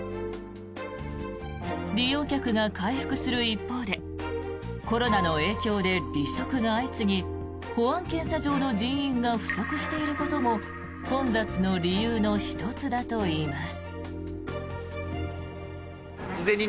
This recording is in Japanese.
利用客が回復する一方でコロナの影響で離職が相次ぎ保安検査場の人員が不足していることも混雑の理由の１つだといいます。